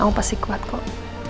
kamu pasti kuat kok